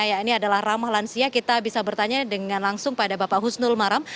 ya ini adalah ramah lansia kita bisa bertanya dengan langsung pada bapak husnul maram